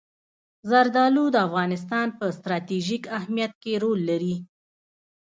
زردالو د افغانستان په ستراتیژیک اهمیت کې رول لري.